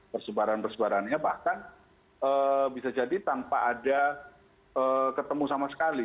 persebaran persebarannya bahkan bisa jadi tanpa ada ketemu sama sekali